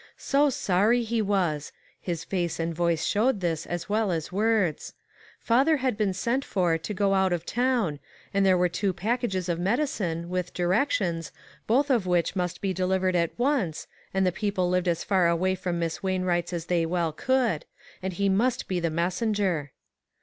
So sorry he was — and face and voice showed this as well as words — father had been sent for to go out of town, and there were two packages of medicine, with directions, both of which must be delivered at once, and the people lived as far away from Miss Wainwright's as they well could, and he must be the messenger.